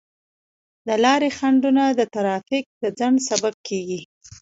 د لارې خنډونه د ترافیک د ځنډ سبب کیږي.